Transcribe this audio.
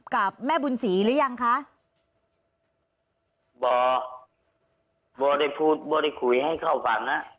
กับแม่บุญศรีหรือยังคะบ่อบ่อได้พูดไม่ได้คุยให้เข้าฝันนะ